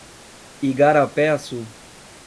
Igarapé-Açu